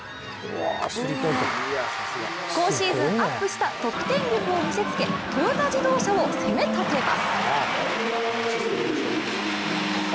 今シーズンアップした得点力を見せつけトヨタ自動車を攻めたてます。